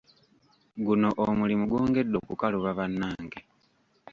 Guno omulimu gwongedde okukaluba bannange.